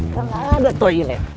kan gak ada toilet